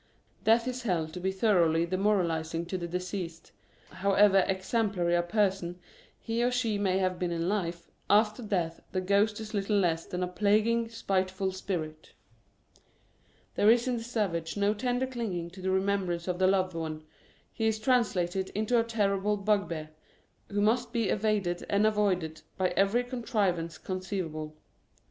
Death is held to be thoroughly demoralising to the deceased. However exemplary a person he or she may have been in life, after death the ghost is little less than a plaguing, spiteful spirit There is in the savage no tender clinging to the remembrance of the loved one, he is translated into a terrible bugbear, who must be evaded and avoided by every contrivance conceivable.